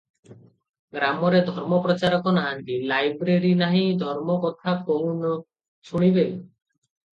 ଗ୍ରାମରେ ଧର୍ମ ପ୍ରଚାରକ ନାହାନ୍ତି, ଲାଇବ୍ରେରୀ ନାହିଁ, ଧର୍ମକଥା କାହୁଁ ଶୁଣିବେ?